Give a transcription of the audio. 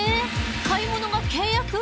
買い物が契約？